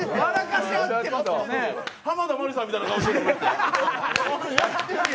濱田マリさんみたいな顔してる。